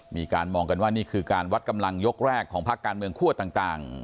มีการมองกันว่านี่คือการวัดกำลังยกแรกของภาคการเมืองคั่วต่าง